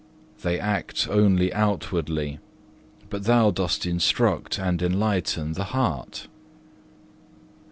They act only outwardly, but Thou dost instruct and enlighten the heart.